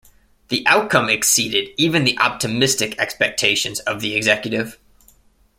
The outcome exceeded even the optimistic expectations of the executive.